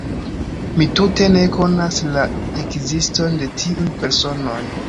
Mi tute ne konas la ekziston de tiuj personoj.